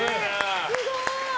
すごい。